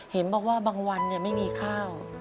เห็นบอกว่าบางวันไม่มีข้าว